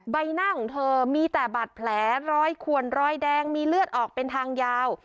ใบหน้าของเธอมีแต่บาดแผลรอยขวนรอยแดงมีเลือดออกเป็นทางยาว